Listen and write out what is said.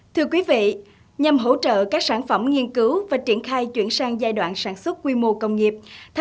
thưa quý vị nhằm hỗ trợ các sản phẩm nghiên cứu và triển khai chuyển sang giai đoạn sản xuất quy mô công nghiệp